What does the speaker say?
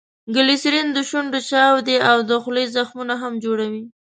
ګلیسرین دشونډو چاودي او دخولې زخمونه هم جوړوي.